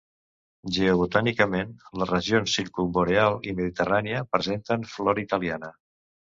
Geobotànicament, les regions circumboreal i mediterrània presenten flora italiana.